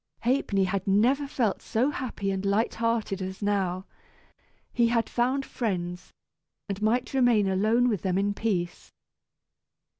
Ha'penny had never felt so happy and light hearted as now. He had found friends, and might remain alone with them in peace.